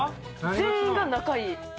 全員が仲いい？